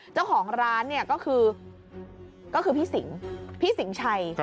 เจ้าของร้านก็คือพี่สิงห์พี่สิงห์ชัย